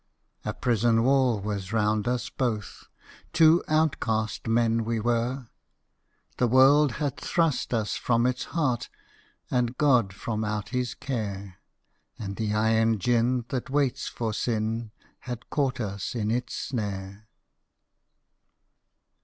A prison wall was round us both, Two outcast men we were: The world had thrust us from its heart, And God from out His care: And the iron gin that waits for Sin Had caught us in its snare.